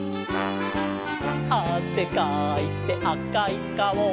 「あせかいてあかいかお」